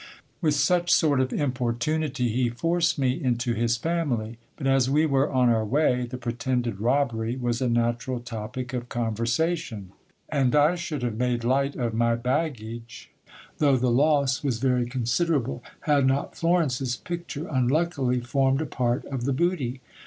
With such sort of importunity, he forced me into his family : but as we were on our way, the pretended robbery was a natural topic of conversation ; and I should have made light of my baggage, though the loss was very considerable, had not Florence's picture unluckily formed a part of the booty